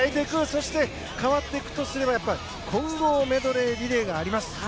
そして、変わっていくとすれば混合メドレーリレーがあります。